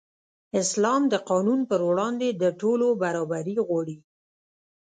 اسلام د قانون پر وړاندې د ټولو برابري غواړي.